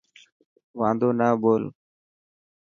واندو نا ٻول.